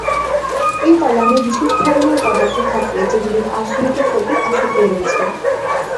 এ কলামে বিশেষ ধরনের পদার্থ থাকে যেগুলির আর্সেনিকের প্রতি আসক্তি রয়েছে।